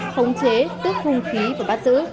khống chế tức không khí và bắt giữ